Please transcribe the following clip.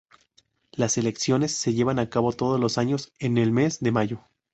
Las elecciones se llevan a cabo todos los años en el mes de mayo.